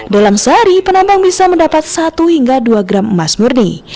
dalam sehari penambang bisa mendapat satu hingga dua gram emas murni